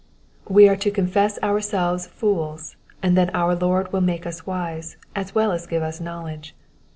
We are to confess ourselves fools, and then our Lord will make us wise, as well as give us knowledge.